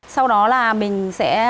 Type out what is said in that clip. sau đó là mình sẽ